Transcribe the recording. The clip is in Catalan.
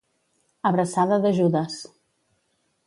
Abraçada de Judes.